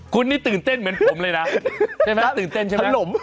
คุณนี่ตื่นเต้นเหมือนผมเลยนะตื่นเต้นใช่มั้ยถลม